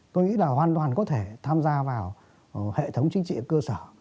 tôi nghĩ là hoàn toàn có thể tham gia vào hệ thống chính trị cơ sở